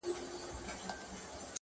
او خلک فکر کوي ډېر.